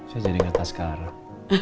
saya jadi kata sekarang